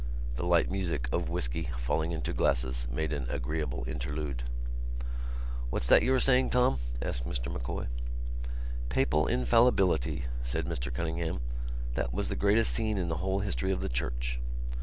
The light music of whisky falling into glasses made an agreeable interlude. "What's that you were saying, Tom?" asked Mr M'Coy. "Papal infallibility," said Mr Cunningham, "that was the greatest scene in the whole history of the Church."